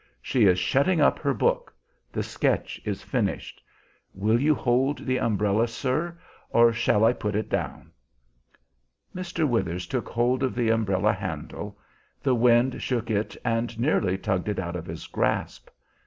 She is shutting up her book; the sketch is finished. Will you hold the umbrella, sir, or shall I put it down?" Mr. Withers took hold of the umbrella handle; the wind shook it and nearly tugged it out of his grasp.